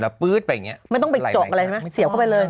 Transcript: แล้วปื๊ดไปอย่างนี้ไม่ต้องไปเจาะอะไรใช่ไหมเสียบเข้าไปเลย